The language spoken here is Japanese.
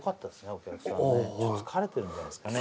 お客さんね疲れてるんじゃないっすかね